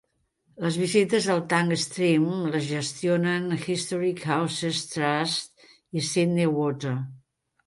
Les visites al Tank Stream les gestionen Historic Houses Trust i Sydney Water.